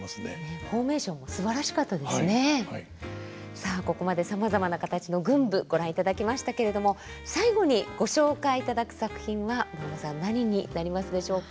さあここまでさまざまな形の群舞ご覧いただきましたけれども最後にご紹介いただく作品は丸茂さん何になりますでしょうか？